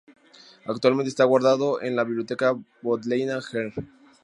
Actualmente está guardado en la Biblioteca Bodleiana, Gr.